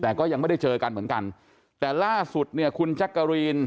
แต่ก็ยังไม่ได้เจอกันเหมือนกันแต่ล่าสุดเนี่ยคุณแจ๊กกะรีน